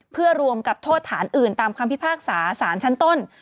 เพื่อรวมกับโทษฐานอื่นตามคำพิพากษาสารชั้นต้น